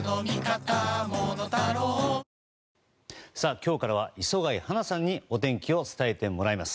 今日からは磯貝初奈さんにお天気を伝えてもらいます。